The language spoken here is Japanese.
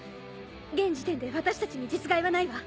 現時点で私たちに実害はないわ。